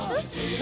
何？